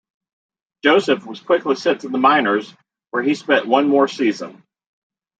Joseph was quickly sent to the minors, where he spent one more season.